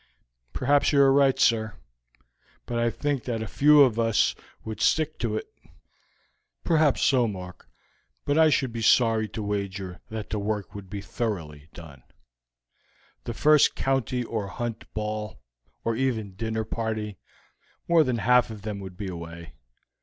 "Perhaps you are right, sir; but I think that a few of us would stick to it." "Perhaps so, Mark, but I should be sorry to wager that the work would be thoroughly done. The first county or hunt ball, or even dinner party, more than half of them would be away.